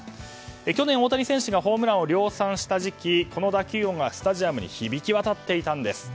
去年、大谷選手がホームランを量産した時期この打球音がスタジアムに響き渡っていたんです。